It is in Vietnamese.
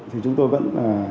thì chúng tôi vẫn